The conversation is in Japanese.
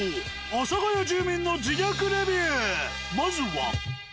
阿佐ヶ谷住民の自虐レビュー。